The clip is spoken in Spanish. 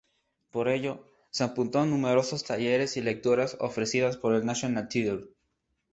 Por ello, se apuntó a numerosos talleres y lecturas ofrecidos por el National Theatre.